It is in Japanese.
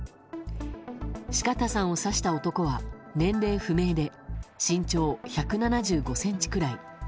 四方さんを刺した男は年齢不明で身長１７５ｃｍくらい。